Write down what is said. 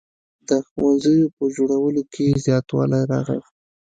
د ښوونځیو په جوړولو کې زیاتوالی راغی.